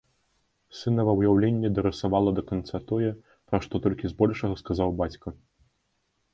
Сынава ўяўленне дарысавала да канца тое, пра што толькі збольшага сказаў бацька.